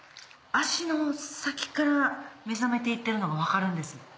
足の先から目覚めていってるのが分かるんです。